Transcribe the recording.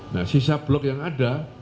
nah sisa blok yang ada